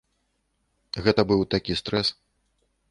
Гэта быў такі стрэс.